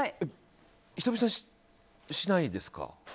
仁美さん、しないですか？